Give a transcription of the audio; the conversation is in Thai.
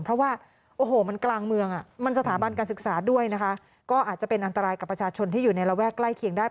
เพราะว่าโอ้โหมันกลางเมืองอ่ะมันสถาบันการศึกษาด้วยนะคะก็อาจจะเป็นอันตรายกับประชาชนที่อยู่ในระแวกใกล้เคียงได้